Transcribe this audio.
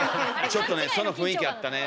ちょっとねその雰囲気あったね。